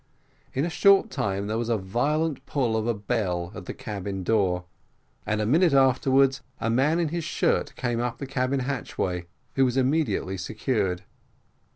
In a short time there was a violent pull of a bell at the cabin door, and in a minute afterwards a man in his shirt came up the cabin hatchway, who was immediately secured.